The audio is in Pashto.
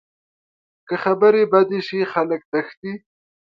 که خبرې بدې شي، خلک تښتي